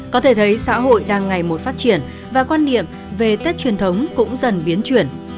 có thể thấy xã hội đang ngày một phát triển và quan niệm về tết truyền thống cũng dần biến chuyển